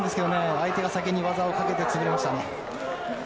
相手が先に技をかけて詰めましたね。